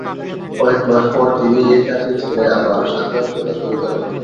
কয়েক মাস পর তিনি এ চাকরি ছেড়ে আবার সাংবাদিকতা শুরু করেন।